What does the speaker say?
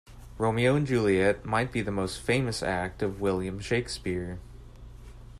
Romeo and Juliet might be the most famous act of William Shakespeare.